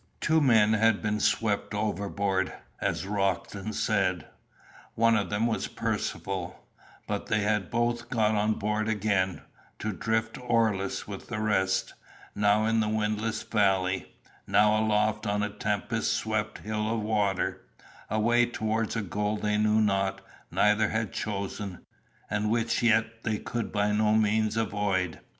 Two men had been swept overboard, as Roxton said one of them was Percivale but they had both got on board again, to drift, oarless, with the rest now in a windless valley now aloft on a tempest swept hill of water away towards a goal they knew not, neither had chosen, and which yet they could by no means avoid.